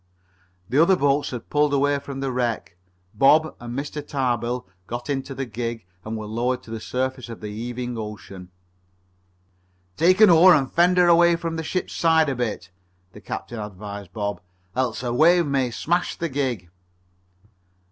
The other boats had pulled away from the wreck. Bob and Mr. Tarbill got into the gig and were lowered to the surface of the heaving ocean. "Take an oar and fend her away from the ship's side a bit," the captain advised Bob. "Else a wave may smash the gig."